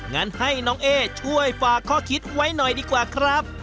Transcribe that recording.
งั้นให้น้องเอ๊ช่วยฝากข้อคิดไว้หน่อยดีกว่าครับ